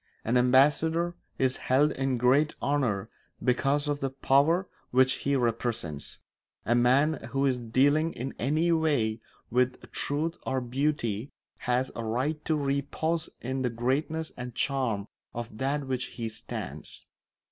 An ambassador is held in great honour because of the power which he represents; a man who is dealing in any way with truth or beauty has a right to repose in the greatness and charm of that for which he stands.